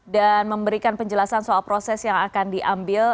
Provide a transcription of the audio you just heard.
dan memberikan penjelasan soal proses yang akan diambil